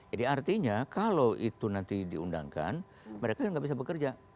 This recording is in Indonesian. jadi artinya kalau itu nanti diundangkan mereka nggak bisa bekerja